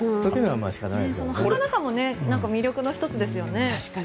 そのはかなさも魅力の１つですよね。